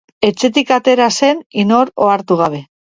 Etxetik atera zen, inor ohartu gabe.